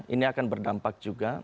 ini akan berdampak juga